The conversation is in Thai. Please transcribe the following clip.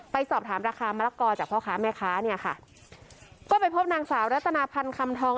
ไปสอบถามราคามะละกอจากพ่อค้าแม่ค้าเนี่ยค่ะก็ไปพบนางสาวรัตนาพันธ์คำทอง